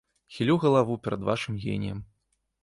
Хілю галаву перад вашым геніем.